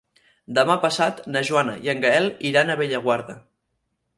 Demà passat na Joana i en Gaël aniran a Bellaguarda.